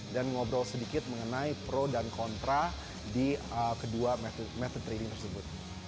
ngobrol sedikit mengenai pro dan kontra di kedua metode training tersebut